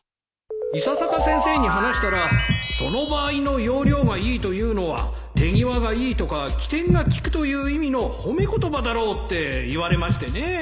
伊佐坂先生に話したら「その場合の要領がいいというのは手際がいいとか機転が利くという意味の褒め言葉だろう」って言われましてね